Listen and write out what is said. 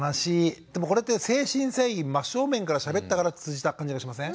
でもこれって誠心誠意真っ正面からしゃべったから通じた感じがしません？